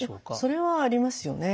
それはありますよね。